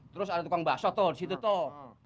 terus ada tukang baso tol disitu tol